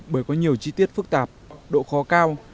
bởi có nhiều chi tiết phức tạp độ khó cao